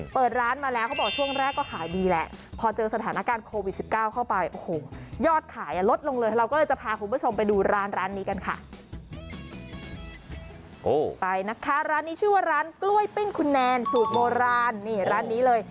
ไปนะคะร้านนี้ชื่อว่าร้านกล้วยปิ้งคุณแนนสูตรโบราณนี่ร้านนี้เลย